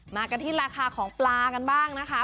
มากันที่ราคาของปลากันบ้างนะคะ